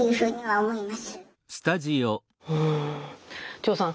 張さん。